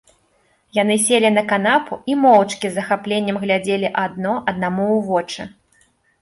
Яны селі на канапу і моўчкі з захапленнем глядзелі адно аднаму ў вочы.